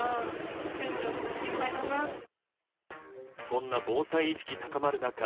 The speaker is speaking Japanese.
そんな防災意識高まる中